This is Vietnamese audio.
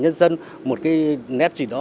nhân dân một cái nét gì đó